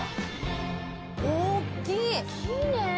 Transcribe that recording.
おっきいね！